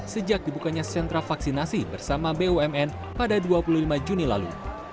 sejak dibukanya sentra vaksinasi bersama bumn pada dua puluh lima juni lalu